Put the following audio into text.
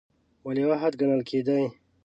ولیعهد ګڼل کېدی.